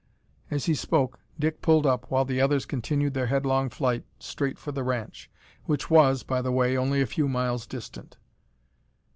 As he spoke, Dick pulled up, while the others continued their headlong flight straight for the ranch, which was by the only a few miles distant.